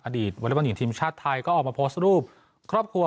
อดีตวรรยบรรยีทีมชาติไทยก็ออกมาโพสต์รูปครอบครัว